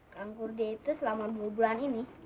kang kurde itu selama sepuluh bulan ini